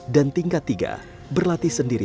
dan tingkat tiga berlatih sendiri